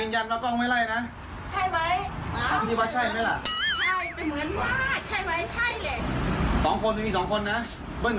ใช่ไหม